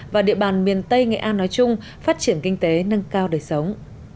và địa bàn miền tây nghệ an nói chung phát triển kinh tế nâng cao đời sống